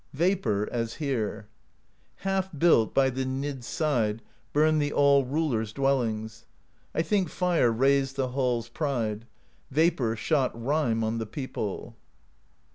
Vapor, as here: Half built, by the Nid's side Burn the All Ruler's dwellings; I think fire razed the hall's pride: Vapor shot rime on the people.